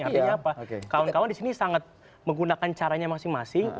artinya apa kawan kawan di sini sangat menggunakan caranya masing masing